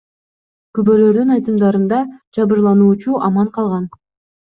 Күбөлөрдүн айтымдарында, жабырлануучу аман калган.